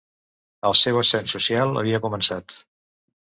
El seu ascens social havia començat.